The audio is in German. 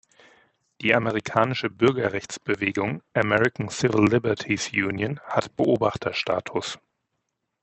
Die amerikanische Bürgerrechtsbewegung American Civil Liberties Union hat Beobachterstatus.